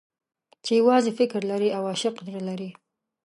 چې يوازې فکر لري او عاشق زړه لري.